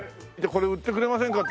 これ売ってくれませんか？